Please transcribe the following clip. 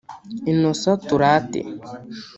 Innocent Turate